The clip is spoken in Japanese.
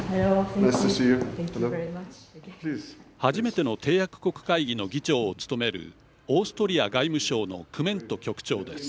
初めての締約国会議の議長を務めるオーストリア外務省のクメント局長です。